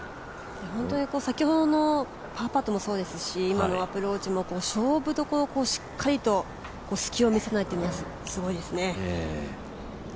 本当に先ほどのパーパットもそうですし今のアプローチも勝負どころをしっかりと、隙を見せないのがすごいですね。